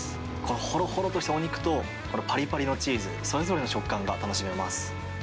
ほろほろとしたお肉と、このぱりぱりのチーズ、それぞれの食感が楽しめます。